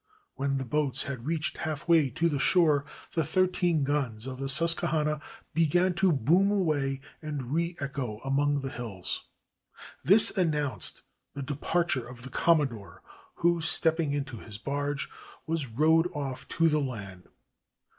When the boats had reached halfway to the shore, the thirteen guns of the Susquehanna began to boom away and re echo among the hills. This announced the departure of the Commodore, who, stepping into his barge, was rowed off to the land.